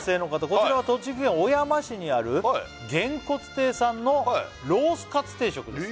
「こちらは栃木県小山市にある」「げんこつ亭さんのロースかつ定食です」